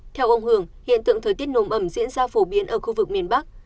theo ông hường hiện tượng thời tiết nồm ẩm diễn ra phổ biến ở khu vực miền bắc